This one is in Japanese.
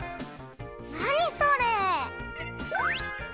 なにそれ？